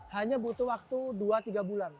hanya butuh waktu dua tiga bulan